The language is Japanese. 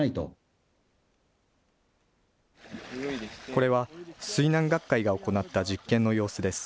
これは水難学会が行った実験の様子です。